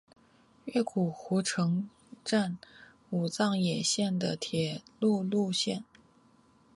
越谷湖城站武藏野线的铁路车站。